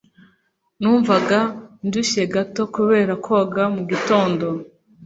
Numvaga ndushye gato kubera koga mugitondo.